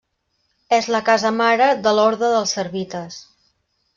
És la casa mare de l'Orde dels Servites.